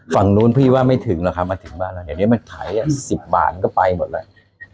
ฝั่งนู้นพี่ว่าไม่ถึงหรอกครับมาถึงบ้านเราเดี๋ยวนี้มันขาย๑๐บาทก็ไปหมดแล้ว